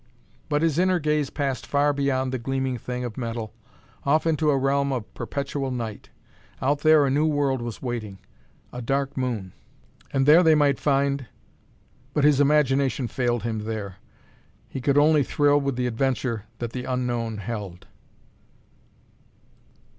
But his inner gaze passed far beyond the gleaming thing of metal, off into a realm of perpetual night. Out there a new world was waiting a Dark Moon! and there they might find.... But his imagination failed him there; he could only thrill with the adventure that the unknown held.